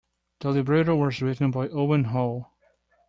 The libretto was written by Owen Hall.